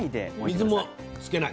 水もつけない。